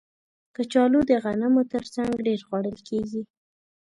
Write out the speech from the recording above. کچالو د غنمو تر څنګ ډېر خوړل کېږي